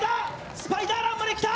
スパイダーランまできた。